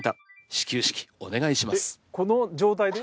始球式お願いします